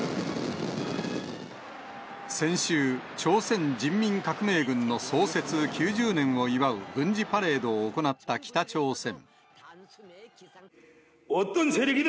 先週、朝鮮人民革命軍の創設９０年を祝う軍事パレードを行った北朝鮮。